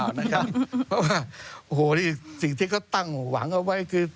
เพราะว่าสิ่งที่เขาตั้งหวังเอาไว้คือ